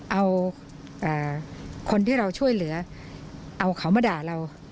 เอาคนที่เราช่วยเหลือเอาเขามาด่าเรา